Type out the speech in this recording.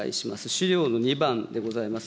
資料の２番でございます。